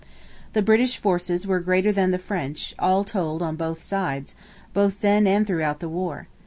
The British forces were greater than the French, all told on both sides, both then and throughout the war.